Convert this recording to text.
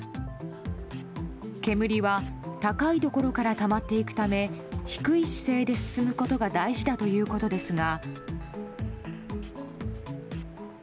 煙は高いところからたまっていくため低い姿勢で進むことが大事だということですが。